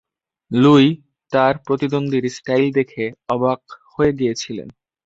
Luis তার প্রতিদ্বন্দ্বীর style দেখে অবাক হয়ে গিয়েছিলেন।